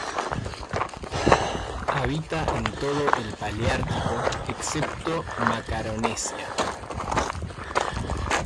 Habita en todo el paleártico, excepto Macaronesia.